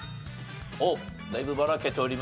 だいぶばらけております。